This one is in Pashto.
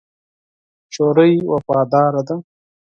نجلۍ وفاداره ده.